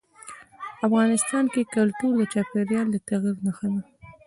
افغانستان کې کلتور د چاپېریال د تغیر نښه ده.